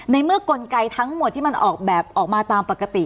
ในเมื่อกลไกทั้งหมดที่มันออกแบบออกมาตามปกติ